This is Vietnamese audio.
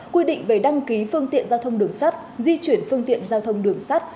quy định về đăng ký phương tiện giao thông đường sắt di chuyển phương tiện giao thông đường sắt